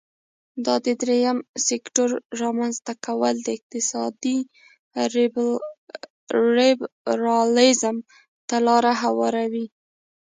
دا د دریم سکتور رامینځ ته کول د اقتصادي لیبرالیزم ته لار هواروي.